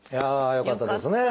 よかったです。